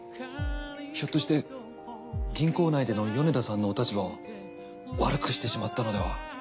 ひょっとして銀行内での米田さんのお立場を悪くしてしまったのでは？